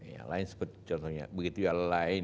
ya lain seperti contohnya begitu yang lain